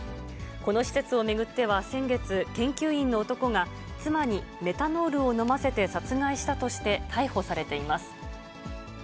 この施設を巡っては先月、研究員の男が、妻にメタノールを飲ませて殺害したとして逮捕されています。